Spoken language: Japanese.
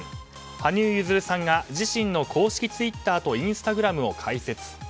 羽生結弦さんが自身の公式ツイッターとインスタグラムを開設。